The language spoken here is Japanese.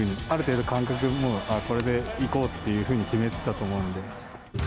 ある程度感覚、もうこれでいこうっていうふうに決めてたと思うんで。